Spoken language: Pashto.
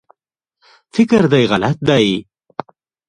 فکر دی غلط دی